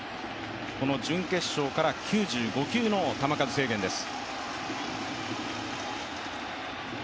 準決勝から９５球の球数制限です。